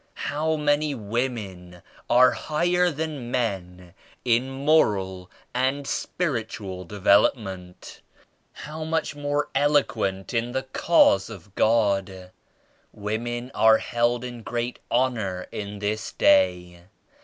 How many women are higher than men in moral and spiritual develop ment! How much more eloquent in the Cause of God! Women are held in great honor in this Day.